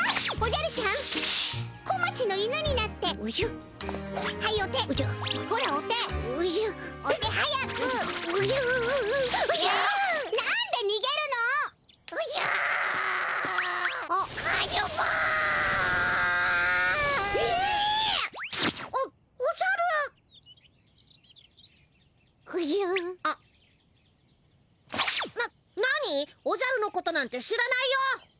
おじゃるのことなんて知らないよ！